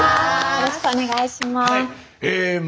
よろしくお願いします。